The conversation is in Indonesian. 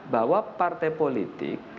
bahwa partai politik